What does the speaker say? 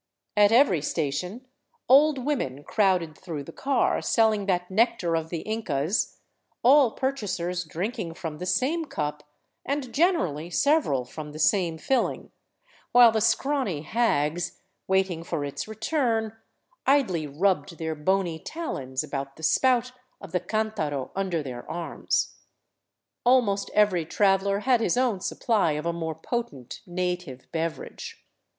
At every station old women crowded through the car selling tliat nectar of the Incas, all purchasers drinking from the same cup, and generally several from the same filling, while the scrawny hags, waiting for its return, idly rubbed their bony talons about the spout of the cdntaro under their arms. Almost every traveler had his own «ttpply of a more potent native beverage.